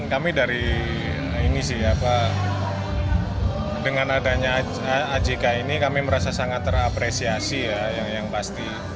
kami dari ini sih dengan adanya ajk ini kami merasa sangat terapresiasi ya yang pasti